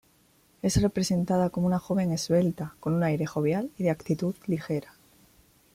Es representada como una joven esbelta, con un aire jovial y de actitud ligera.